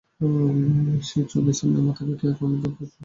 সেই চৌকির সামনে মাথা লুটিয়ে অমিত প্রণাম করলে।